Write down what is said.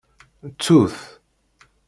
Ttu-t.